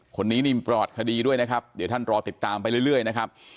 คนนี้นี่มีประวัติคดีด้วยนะครับเดี๋ยวท่านรอติดตามไปเรื่อยนะครับ